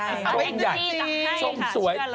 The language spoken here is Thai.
ใช่เอาแองจี้กลับให้ค่ะเชื่อเลย